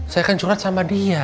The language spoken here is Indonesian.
saya kan curhat sama dia